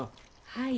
はい。